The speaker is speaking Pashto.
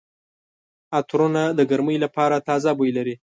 عطرونه د ګرمۍ لپاره تازه بوی لري.